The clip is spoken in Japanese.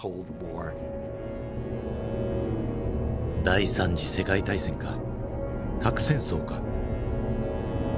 第三次世界大戦か核戦争か。